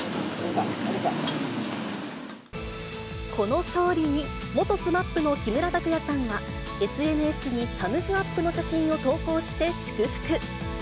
この勝利に、元ＳＭＡＰの木村拓哉さんは、ＳＮＳにサムズアップの写真を投稿して祝福。